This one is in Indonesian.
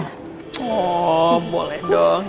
oh boleh dong